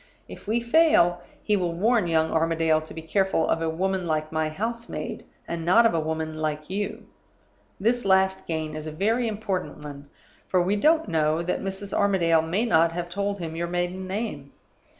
If we fail, he will warn young Armadale to be careful of a woman like my house maid, and not of a woman like you. This last gain is a very important one; for we don't know that Mrs. Armadale may not have told him your maiden name.